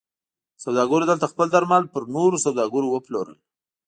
سوداګرو دلته خپل درمل پر نورو سوداګرو پلورل.